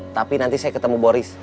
tapi nanti saya ketemu boris